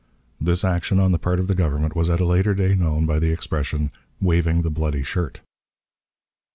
This action on the part of the Government was at a later day known by the expression "waving the bloody shirt."